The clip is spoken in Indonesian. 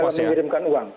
untuk dalam mengirimkan uang